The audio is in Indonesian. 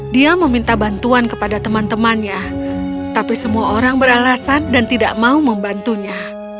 dia meminta bantuan kepada teman temannya tapi semua orang beralasan dan tidak mau membantunya